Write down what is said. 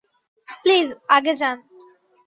Please, আগে যান।